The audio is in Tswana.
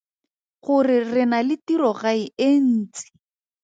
Gore re na le tirogae e ntsi.